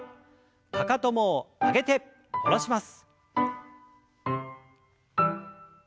かかとも上げて下ろします。